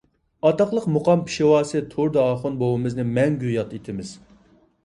ئاتاقلىق مۇقام پېشۋاسى تۇردى ئاخۇن بوۋىمىزنى مەڭگۈ ياد ئېتىمىز.